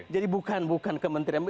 jadi bukan bukan kementerian